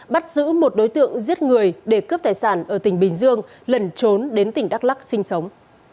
bắt giữ một đối tượng giết người để cướp tài sản ở tỉnh bình dương lẩn trốn đến tỉnh đắk lắc sinh sống